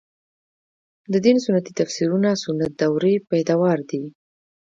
د دین سنتي تفسیرونه سنت دورې پیداوار دي.